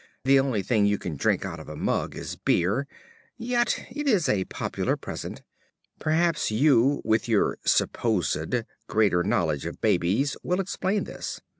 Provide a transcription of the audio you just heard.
The only thing you can drink out of a mug is beer; yet it is a popular present. Perhaps you, with your (supposed) greater knowledge of babies, will explain this.